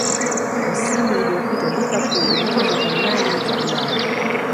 msimu uliyopita liverpool ilicheza fainali za ulaya